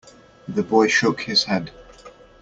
The boy shook his head.